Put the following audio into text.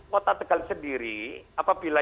kota tegal sendiri apabila